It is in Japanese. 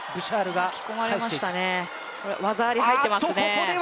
技ありが入っています。